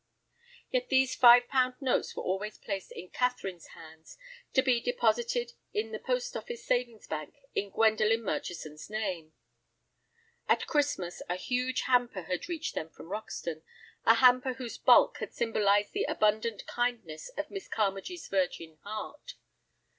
Yet these five pound notes were always placed in Catherine's hands, to be deposited in the post office savings bank in Gwendolen Murchison's name. At Christmas a huge hamper had reached them from Roxton, a hamper whose bulk had symbolized the abundant kindness of Miss Carmagee's virgin heart.